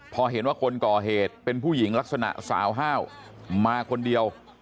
พอเห็นว่าคนก่อเหตุเป็นผู้หญิงลักษณะสาวห้าวมาคนเดียว